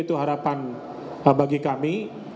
itu harapan bagi kami